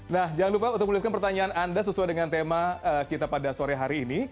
nah jangan lupa untuk menunjukkan pertanyaan anda sesuai dengan tema kita pada sore hari ini